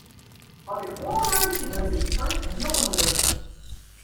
As ik oanmeitsje helje ik de trein fan njoggen oere noch.